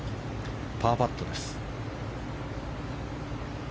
パーパットです。